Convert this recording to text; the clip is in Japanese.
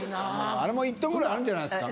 あれも１ｔぐらいあるんじゃないですか？